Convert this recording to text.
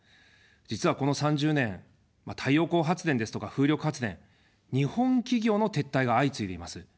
実はこの３０年、太陽光発電ですとか、風力発電、日本企業の撤退が相次いでいます。